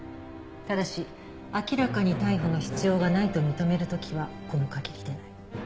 ただし明らかに逮捕の必要がないと認める時はこの限りでない。